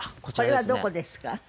これはどこですか？